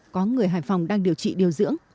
có người hải phòng đang điều trị điều dưỡng